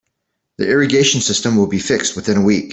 The irrigation system will be fixed within a week.